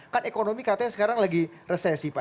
kan ekonomi katanya sekarang lagi resesi pak